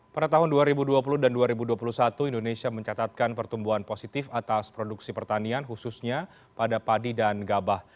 pada tahun dua ribu dua puluh dan dua ribu dua puluh satu indonesia mencatatkan pertumbuhan positif atas produksi pertanian khususnya pada padi dan gabah